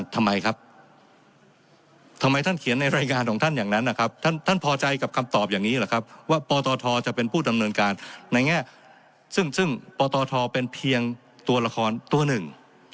ทำไมครับทำไมท่านเขียนในรายงานของท่านอย่างนั้นนะครับท่านพอใจกับคำตอบอย่างนี้แหละครับว่าปตทจะเป็นผู้ดำเนินการในแง่ซึ่งซึ่งปตทเป็นเพียงตัวละครตัวหนึ่ง